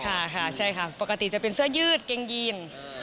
ค่ะค่ะใช่ค่ะปกติจะเป็นเสื้อยืดเกงยีน